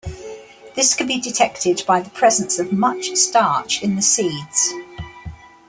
This can be detected by the presence of much starch in the seeds.